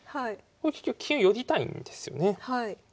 結局金寄りたいんですよね。